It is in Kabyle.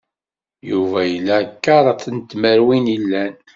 Yuba yella careṭ tmeṛwin ilan.